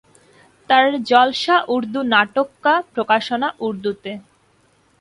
তার 'জলসা উর্দু নাটক কা' প্রকাশনা উর্দুতে।